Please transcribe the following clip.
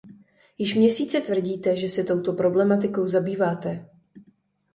Již měsíce tvrdíte, že se touto problematikou zabýváte.